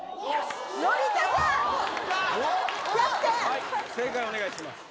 はい正解お願いします